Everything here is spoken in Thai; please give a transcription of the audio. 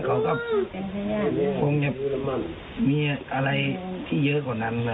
เขาก็คงจะมีอะไรที่เยอะกว่านั้น